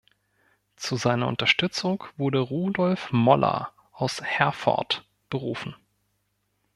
Zu seiner Unterstützung wurde Rudolph Moller aus Herford berufen.